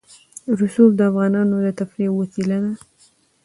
رسوب د افغانانو د تفریح یوه وسیله ده.